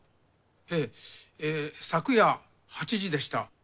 へぇ昨夜８時でした。